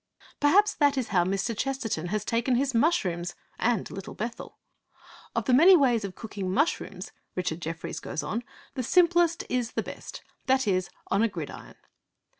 Perhaps that is how Mr. Chesterton has taken his mushrooms and Little Bethel!' Of the many ways of cooking mushrooms,' Richard Jefferies goes on, 'the simplest is the best; that is, on a gridiron.'